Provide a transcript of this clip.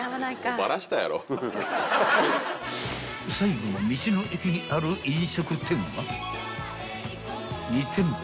［最後の道の駅にある飲食店は２店舗］